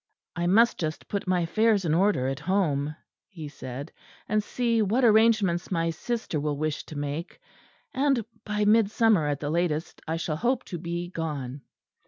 "I must just put my affairs in order at home," he said, "and see what arrangements my sister will wish to make; and by Midsummer at the latest I shall hope to be gone."